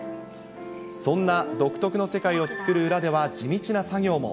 そんな独特の世界を作る裏では、地道な作業も。